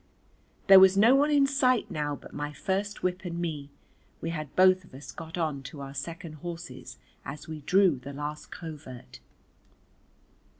There was no one in sight now but my first whip and me, we had both of us got on to our second horses as we drew the last covert.